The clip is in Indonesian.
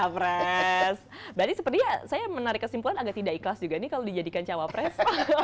berarti sepertinya saya menarik kesimpulan agak tidak ikhlas juga nih kalau dijadikan cawapres